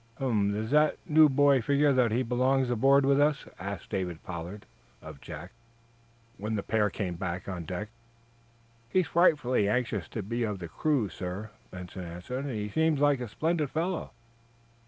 "Hm! Does that new boy figure that he belongs aboard with us?" asked David Pollard, of Jack, when the pair came on deck again. "He's frightfully anxious to be of the crew, sir," Benson answered. "And he seems like a splendid fellow."